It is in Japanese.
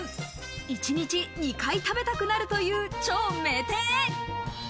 一日２回食べたくなるという超名店へ。